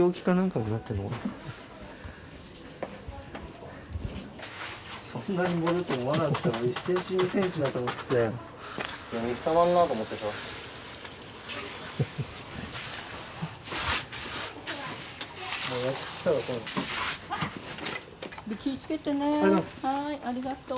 はいありがとう。